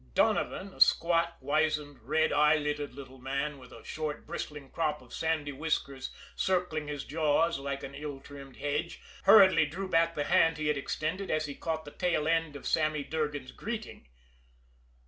Donovan, a squat, wizened, red eye lidded little man, with a short, bristling crop of sandy whiskers circling his jaws like an ill trimmed hedge, hurriedly drew back the hand he had extended as he caught the tail end of Sammy Durgan's greeting.